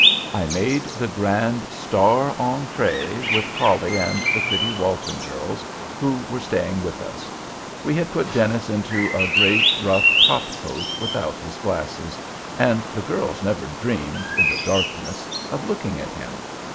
I made the grand star entrée with Polly and the pretty Walton girls, who were staying with us. We had put Dennis into a great rough top coat, without his glasses—and the girls never dreamed, in the darkness, of looking at him.